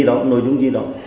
có thể là nội dung di động